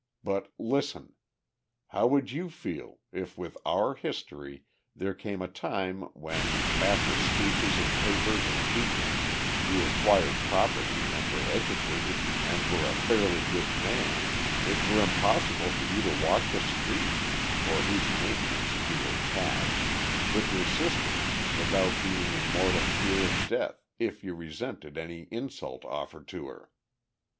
But, listen: How would you feel, if with our history, there came a time when, after speeches and papers and teachings you acquired property and were educated, and were a fairly good man, it were impossible for you to walk the street (for whose maintenance you were taxed) with your sister without being in mortal fear of death if you resented any insult offered to her?